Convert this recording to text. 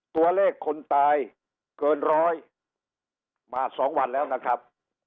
ตัวเลขคนตายเกินร้อยมา๒วันแล้วนะครับ